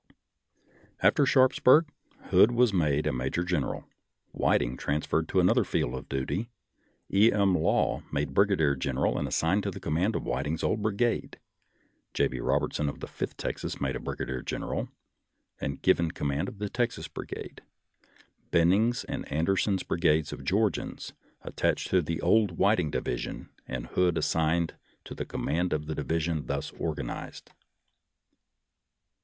After Sharpsburg, Hood was made a major general. Whiting transferred to another field of duty, E. M. Law made brigadier general, and assigned to the command of Whit ing's old brigade, J. B. Robertson of the Fifth Texas made a brigadier general and given com mand of the Texas Brigade, Benning's and An derson's brigades of Georgians attached to the old Whiting division, and Hood assigned to the com mand of the division thus organized.